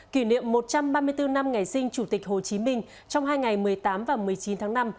kỷ niệm một trăm ba mươi bốn năm ngày sinh chủ tịch hồ chí minh trong hai ngày một mươi tám và một mươi chín tháng năm